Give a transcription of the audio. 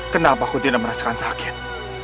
kenapa aku tidak merasakan sakit